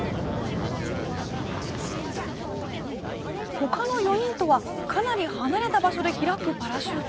ほかの４人とはかなり離れた場所で開くパラシュート。